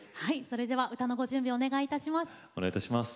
それでは歌のご準備お願いいたします。